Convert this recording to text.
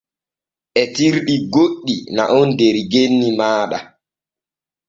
Etirɗi goɗɗi na’on der genni maaɗa.